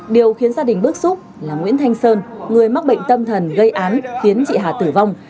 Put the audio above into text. điều khiến gia đình bức xúc là nguyễn thanh sơn người mắc bệnh tâm thần gây án khiến chị hà tử vong